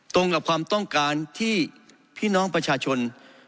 ตรงกับความต้องการที่พี่น้องประชาชน